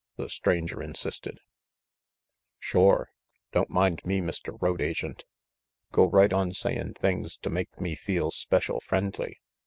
the stranger insisted. 78 RANGY PETE "Shore, don't mind me, Mr. Road Agent. Go right on sayin' things to make me feel special friendly.